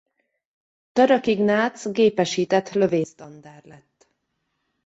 Török Ignác Gépesített Lövészdandár lett.